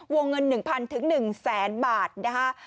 วงเงิน๑๐๐๑แสนบาทนะคะ